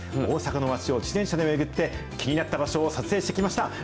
大阪の街を自転車で巡って、気になった場所を撮影してきました。